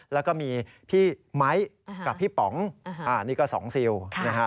แล้วก็มีพี่ไมค์กับพี่ป๋องนี่ก็๒ซิลนะฮะ